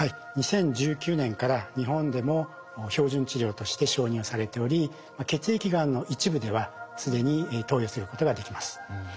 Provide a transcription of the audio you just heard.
２０１９年から日本でも標準治療として承認はされており血液がんの一部では既に投与することができます。